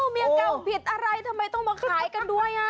เมียเก่าผิดอะไรทำไมต้องมาขายกันด้วย